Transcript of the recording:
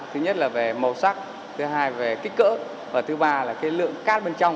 thứ nhất là về màu sắc thứ hai về kích cỡ và thứ ba là cái lượng cát bên trong